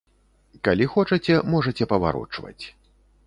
Калі хочаце, можаце паварочваць.